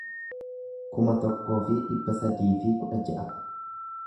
kuma tokkoo fi dhibba sadii fi kudha ja'a